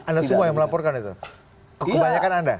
anda semua yang melaporkan itu kebanyakan anda